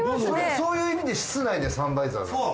そういう意味で室内でサンバイザーなんですか。